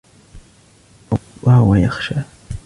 وهو يخشى